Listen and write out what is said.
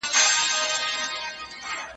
ټولنپوهنه په عملي سیاستونو کې مرسته کوي.